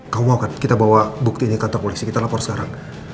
kamu mau kan kita bawa bukti ini ke kantor koleksi kita lapor sekarang